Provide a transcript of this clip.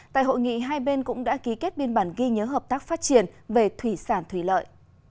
tại hội nghị hai bên cũng đã ký kết biên bản ghi nhớ hợp tác phát triển về thủy sản thủy lợi